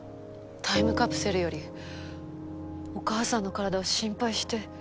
タイムカプセルよりお母さんの体を心配して。